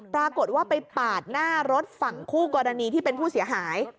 ปรากฏว่าไปปาดหน้ารถฝั่งคู่กรณีที่เป็นผู้เสียหาย